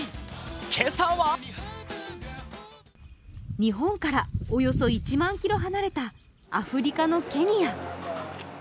今朝は日本からおよそ１万ｋｍ離れたアフリカのケニア。